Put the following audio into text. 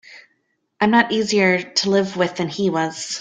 I'm not easier to live with than he was.